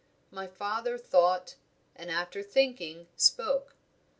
My father thought, and after thinking, spoke.